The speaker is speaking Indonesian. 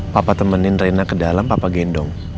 papa temenin rena ke dalam papa gendong